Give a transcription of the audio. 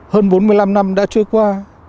hơn bốn mươi năm năm đã trôi qua